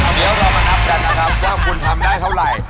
เดี๋ยวเรามานับกันนะครับว่าคุณทำได้เท่าไหร่